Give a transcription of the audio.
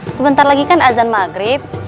sebentar lagi kan azan maghrib